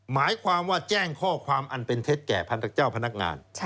หมายความว่าแจ้งข้อความอันเป็นเท็จแก่เจ้าพนักงาน